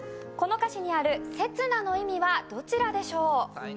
この歌詞にある「刹那」の意味はどちらでしょう？